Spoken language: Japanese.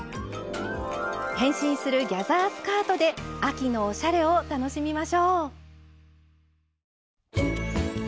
変身するギャザースカートで秋のおしゃれを楽しみましょう。